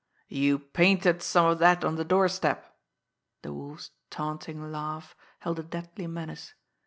"You painted some of that on the doorstep!" The Wolf's taunting laugh held a deadly menace.